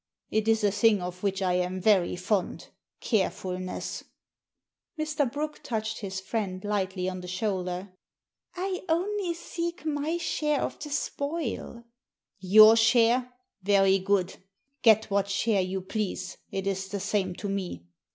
It is a thing of which I am very fond — carefulness." Mr. Brooke touched his friend lightly on the shoulder. " I only seek my share of the spoil" Digitized by VjOOQIC THE DIAMONDS 217 "Your share? Very good. Get what share you please. It is the same to me.